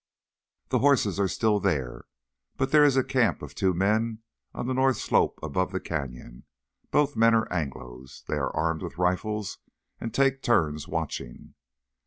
"The horses are still there. But there is a camp of two men on the north slope above the canyon. Both men are Anglos. They are armed with rifles and take turns watching."